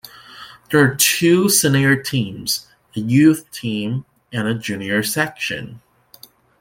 There are two senior teams, a youth team and a junior section.